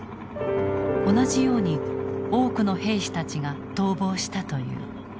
同じように多くの兵士たちが逃亡したという。